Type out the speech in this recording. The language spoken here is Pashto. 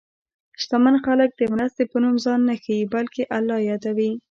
شتمن خلک د مرستې په نوم ځان نه ښيي، بلکې الله یادوي.